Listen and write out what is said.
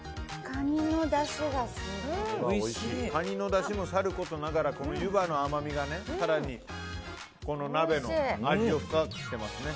カニのだしもさることながらゆばの甘みが更に鍋の味を深くしてますね。